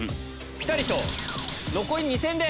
ピタリ賞残り２戦で。